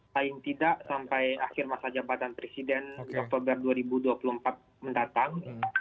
paling tidak sampai akhir masa jabatan presiden di oktober dua ribu dua puluh empat mendatang